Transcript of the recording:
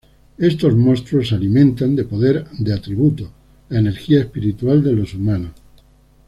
Estos monstruos se alimentan de "poder de atributos", la energia espiritual de los humanos.